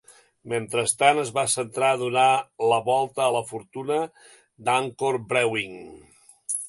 Mentrestant, es va centrar a donar la volta a la fortuna d'Anchor Brewing.